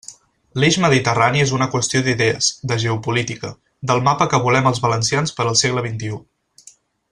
L'eix mediterrani és una qüestió d'idees, de geopolítica, del mapa que volem els valencians per al segle xxi.